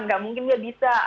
tidak mungkin dia bisa